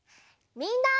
みんな！